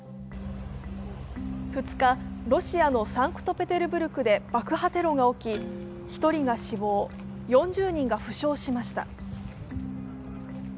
２日、ロシアのサンクトペテルブルクで爆破テロが起き、１人が死亡、４０人が負傷しました。